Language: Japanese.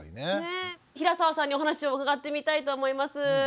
平澤さんにお話を伺ってみたいと思います。